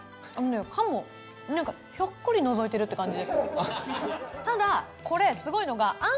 鴨なんかひょっこりのぞいてるって感じです